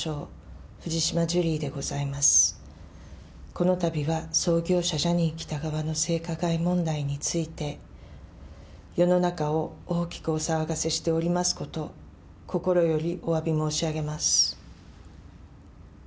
このたびは創業者、ジャニー喜多川の性加害問題について、世の中を大きくお騒がせしておりますこと、心よりおわび申し上げます。